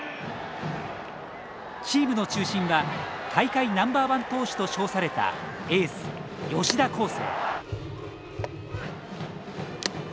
チームの中心は大会ナンバーワン投手と称されたエース吉田輝星。